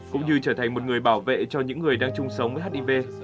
cũng như trở thành một người bảo vệ cho những người đang chung sống với hiv